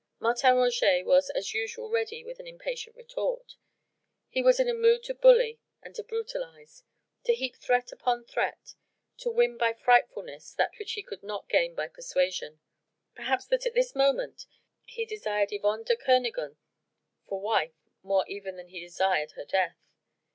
Martin Roget was as usual ready with an impatient retort. He was in a mood to bully and to brutalise, to heap threat upon threat, to win by frightfulness that which he could not gain by persuasion. Perhaps that at this moment he desired Yvonne de Kernogan for wife, more even than he desired her death.